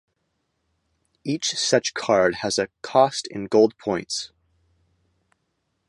Each such card has a cost in Gold points.